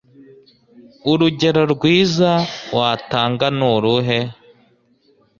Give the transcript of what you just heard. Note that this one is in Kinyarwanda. Urugero rwiza watanga ni uruhe